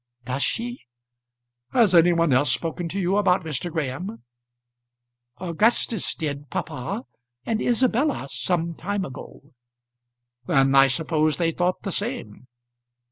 "Does she?" "Has any one else spoken to you about Mr. Graham?" "Augustus did, papa; and Isabella, some time ago." "Then I suppose they thought the same."